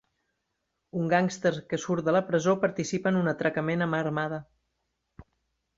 Un gàngster que surt de la presó, participa en un atracament a mà armada.